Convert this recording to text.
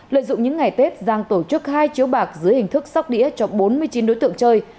lợi dụng những ngày tết giang tổ chức hai chiếu bạc dưới hình thức sóc đĩa cho bốn mươi chín đối tượng chơi